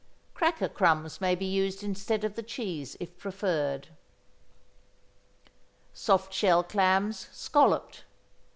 Cracker crumbs may be used instead of the cheese if preferred. =Soft Shell Clams, Scalloped.